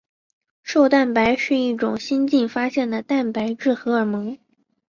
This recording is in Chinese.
瘦蛋白是一种新近发现的蛋白质荷尔蒙。